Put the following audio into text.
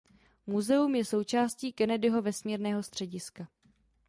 Muzeum je součástí Kennedyho vesmírného střediska.